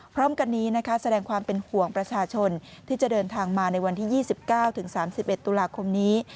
พร้อมกันนี้นะคะแสดงความเป็นห่วงประชาชนที่จะเดินทางมาในวันที่๒๙๓๑ตุลาคมนี้